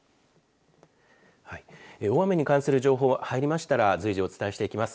大雨に関する情報が入りましたら随時お伝えしていきます。